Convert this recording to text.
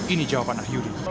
ini jawaban ahyudi